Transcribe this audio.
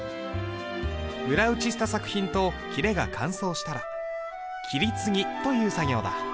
裏打ちした作品と裂が乾燥したら切継ぎという作業だ。